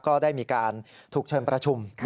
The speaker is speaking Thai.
ก็ได้มีการถูกเชิญประชุม